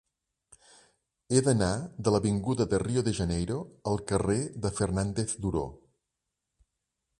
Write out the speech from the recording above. He d'anar de l'avinguda de Rio de Janeiro al carrer de Fernández Duró.